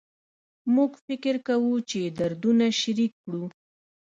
موږ فکر کوو چې دردونه شریک کړو